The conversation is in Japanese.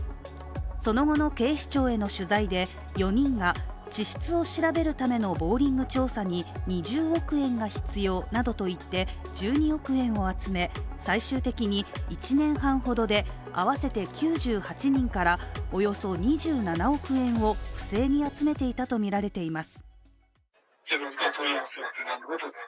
その後の警視庁への取材で４人が地質を調べるためのボーリング調査に２０億円が必要などと言って１２億円を集め最終的に１年半ほどで合わせて９８人から、およそ２７億円を不正に集めていたとみられています。